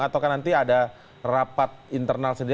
atau nanti ada rapat internal sendiri